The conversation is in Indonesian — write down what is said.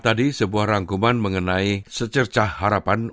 tadi sebuah rangkuman mengenai secercah harapan